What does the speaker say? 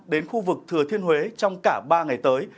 đến khu vực thừa thiên huế trong cả ba ngày tới